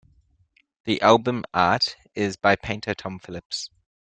The album art is by painter Tom Phillips.